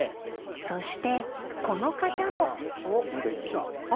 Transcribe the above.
［そしてこの方も］きた。